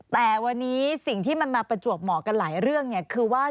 แต่วันนี้สิ่งที่มันมาประจวบเหมาะกันหลายเรื่องเนี่ยคือว่า